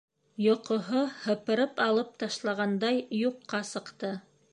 Йоҡоһо һыпырып алып ташланғандай юҡҡа сыҡты.